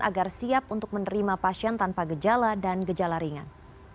agar siap untuk menerima pasien tanpa gejala dan gejala ringan